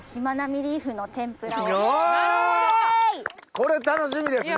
これ楽しみですね。